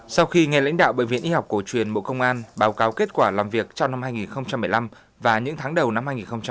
sau khi nghe lãnh đạo bệnh viện y học cổ truyền bộ công an báo cáo kết quả làm việc trong năm hai nghìn một mươi năm và những tháng đầu năm hai nghìn một mươi tám